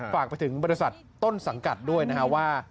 ฝากไปถึงบริษัทต้นสังกัดด้วยนะครับว่า